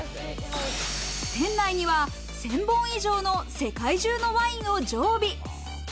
店内には１０００本以上の世界中のワインを常備。